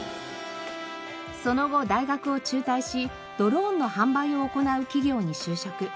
その後大学を中退しドローンの販売を行う企業に就職。